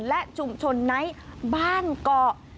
และชุมชนไนท์บ้านเกาะ